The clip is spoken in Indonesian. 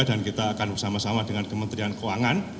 dan kita akan bersama sama dengan kementerian keuangan